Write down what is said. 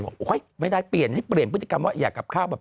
ไม่ได้เปลี่ยนให้เปลี่ยนพฤติกรรมว่าอยากกลับข้าวแบบ